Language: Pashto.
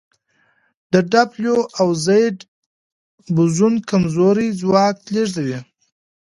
د ډبلیو او زیډ بوزون کمزوری ځواک لېږدوي.